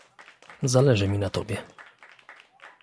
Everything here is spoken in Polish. Zależy mi na Tobie.